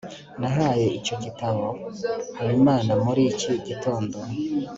nahaye icyo gitabo habimana muri iki gitondo